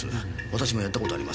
私もやった事あります。